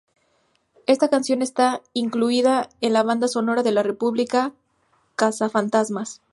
Esta canción está incluida en la banda sonora de la película Cazafantasmas.